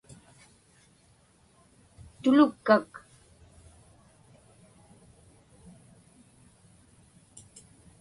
tulukkak